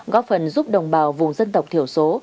góp phần giúp đồng bào vùng dân tộc thiểu số